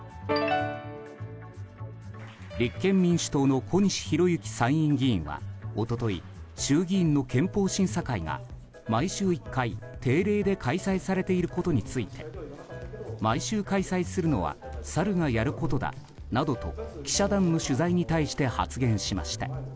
立憲民主党の小西洋之参院議員は一昨日衆議院の憲法審査会が毎週１回定例で開催されていることについて毎週開催するのはサルがやることだなどと記者団の取材に対して発言しました。